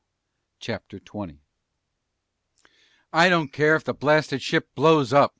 CHAPTER 20 "I don't care if the blasted ship blows up!"